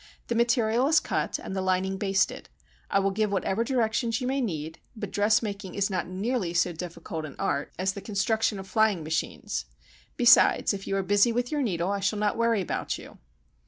The material is cut, and the lining basted. I will give whatever directions you may need, but dressmaking is not nearly so difficult an art as the construction of flying machines. Besides, if you are busy with your needle, I shall not worry about you."